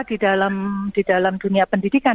di dalam dunia pendidikan